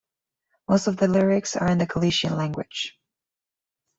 Most of their lyrics are in the Galician language.